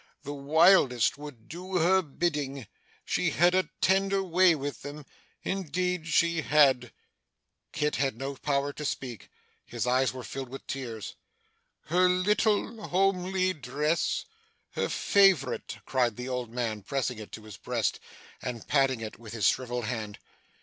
The wildest would do her bidding she had a tender way with them, indeed she had!' Kit had no power to speak. His eyes were filled with tears. 'Her little homely dress, her favourite!' cried the old man, pressing it to his breast, and patting it with his shrivelled hand.